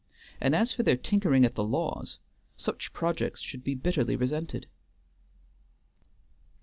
And as for their tinkering at the laws, such projects should be bitterly resented.